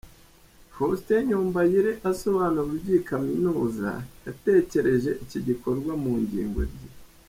Faustin Nyombayire asobanura uburyo iyi kaminuza yatekereje iki gikorwa mu ngingo ebyiri.